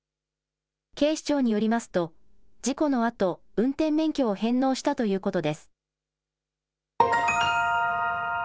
警視庁によりますと、事故のあと、運転免許を返納したということです。